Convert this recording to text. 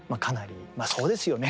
まあそうですよね。